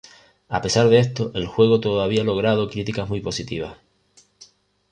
A pesar de esto, el juego todavía logrado críticas muy positivas.